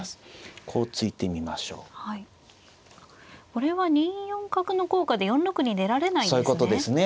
これは２四角の効果で４六に出られないんですね。